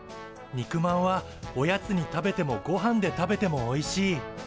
肉まんはおやつに食べてもごはんで食べてもおいしい！